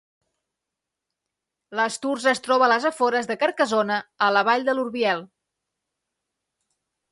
Lastours es troba als afores de Carcassona, a la vall de l'Orbiel.